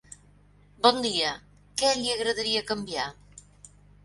Bon dia, què li agradaria canviar?